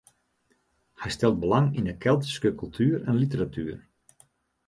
Hy stelt belang yn de Keltyske kultuer en literatuer.